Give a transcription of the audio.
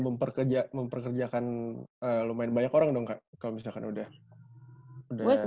berarti udah memperkerjakan lumayan banyak orang dong kak kalau misalkan udah sustain gitu kan